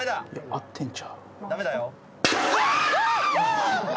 合ってんちゃう？